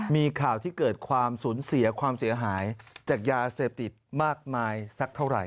มีข่าวที่เกิดความสูญเสียความเสียหายจากยาเสพติดมากมายสักเท่าไหร่